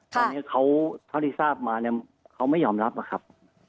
ตอนนี้เขาเท่าที่ทราบมาเนี่ยเขาไม่ยอมรับอะครับ